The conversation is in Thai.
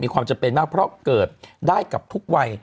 ความจำเป็นมากเพราะเกิดได้กับทุกวัย